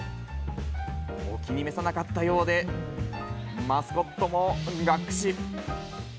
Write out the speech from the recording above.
お気に召さなかったようで、マスコットもがっくし。